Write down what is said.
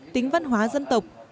tính văn hóa dân tộc